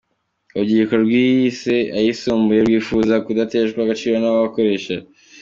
Urubyiruko rwize ayisumbuye rwifuza kudateshwa agaciro n’abakoresha.